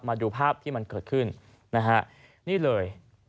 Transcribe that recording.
มาดูภาพที่มันเกิดขึ้นนะฮะนี่เลย